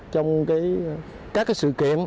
trong các sự kiện